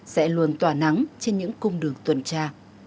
sẽ luôn tỏa nắng trên những cung đường tuần tra